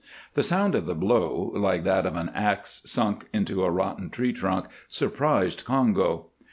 The sound of the blow, like that of an ax sunk into a rotten tree trunk, surprised Congo.